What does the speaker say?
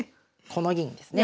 この銀ですね。